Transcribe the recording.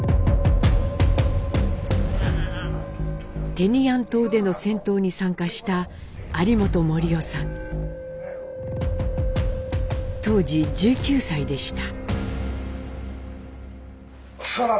テニアン島での戦闘に参加した当時１９歳でした。